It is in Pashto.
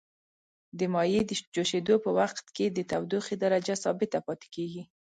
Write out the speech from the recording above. د مایع د جوشیدو په وقت کې د تودوخې درجه ثابته پاتې کیږي.